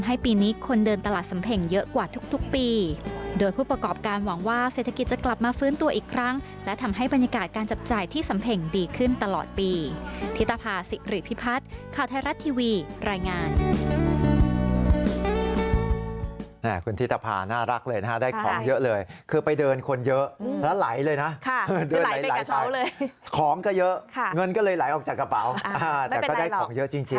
หรือพิพัฒน์ข้าวไทยรัฐทีวีรายงาน